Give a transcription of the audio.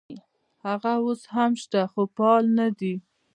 هغه اوس هم شته خو فعال نه دي.